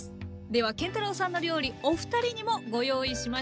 では建太郎さんの料理お二人にもご用意しました。